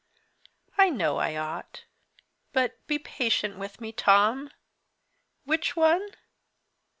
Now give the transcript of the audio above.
I know I ought. But be patient with me, Tom. Which one?